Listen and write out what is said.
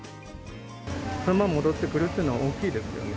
３万戻ってくるっていうのは大きいですよね。